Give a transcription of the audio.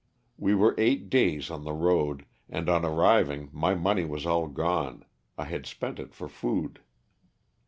We were eight days on the road, and on arriving my money was all gone— I had spent it for food.